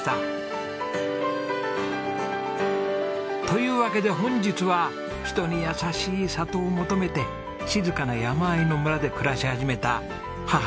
というわけで本日は人に優しい里を求めて静かな山あいの村で暮らし始めた母と息子のお話です。